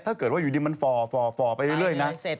ถ้าเกิดว่าอยู่ดีมันฝ่อไปเรื่อยนะ